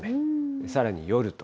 さらに夜と。